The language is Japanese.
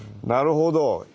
なるほど。